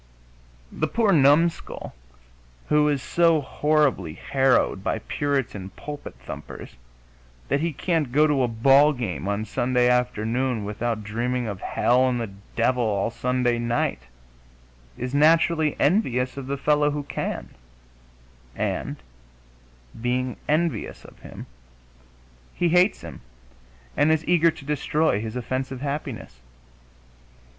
The poor numskull who is so horribly harrowed by Puritan pulpit thumpers that he can't go to a ball game on Sunday afternoon without dreaming of hell and the devil all Sunday night is naturally envious of the fellow who can, and being envious of him, he hates him and is eager to destroy his offensive happiness.